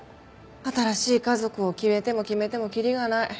新しい家族を決めても決めてもキリがない。